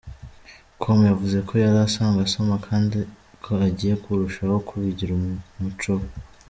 com yavuze ko yari asanzwe asoma kandi ko agiye kurushaho kubigira umuco we.